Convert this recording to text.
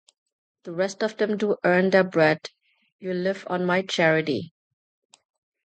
The rest of them do earn their bread — you live on my charity!